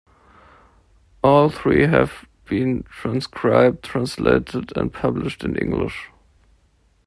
All three have been transcribed, translated and published in English.